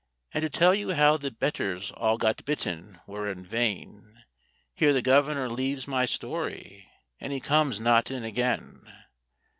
And to tell you how the biters all got bitten were in vain; Here the Governor leaves my story, and he comes not in again.